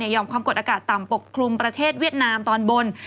ยอมความกดอากาศต่ำปกคลุมประเทศเวียดนามตอนบน